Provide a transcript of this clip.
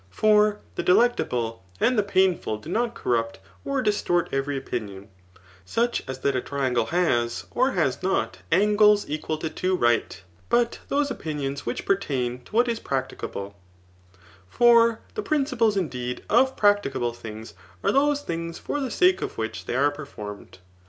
For the delectable and the painful do not corrupt or distort every opinion ^ such as that a triangle has or has not angles equal to two right ; but those opinions which pertain to what is priic* ticable* For the principles indeed of practicable things are those things for the sake of which they are perfonn ed.